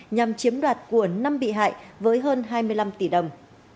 nhằm chiếm đoạt của năm bị hại với hơn hai mươi năm tỷ đồng